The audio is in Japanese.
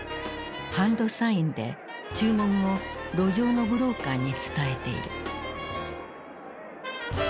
ハンドサインで注文を路上のブローカーに伝えている。